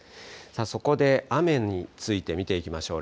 そこで雨について見ていきましょう。